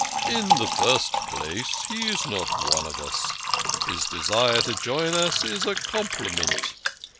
" In the first place he is not one of us. His desire to join us is a compliment.